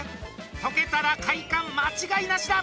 解けたら快感間違いなしだ！